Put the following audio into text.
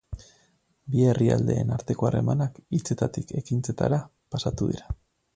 Bi herrialdeen arteko harremanak hitzetatik ekintzetara pasatu dira.